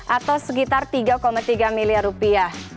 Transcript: atau sekitar tiga tiga miliar rupiah